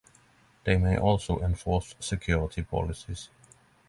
They may also enforce security policies.